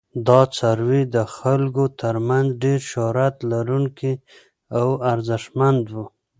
دا څاروي د خلکو تر منځ ډیر شهرت لرونکي او ارزښتمن وو.